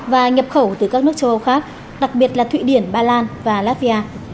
và nhập khẩu từ các nước châu âu khác đặc biệt là thụy điển ba lan và latvia